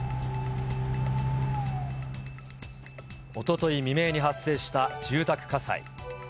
おととい未明に発生した住宅火災。